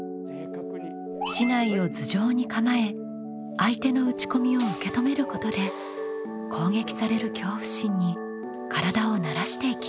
竹刀を頭上に構え相手の打ち込みを受け止めることで攻撃される恐怖心に体を慣らしていきます。